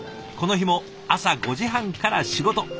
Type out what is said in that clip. この日も朝５時半から仕事。